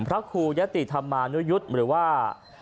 พระครูยะติธรรมานุยุทธ์หรือว่า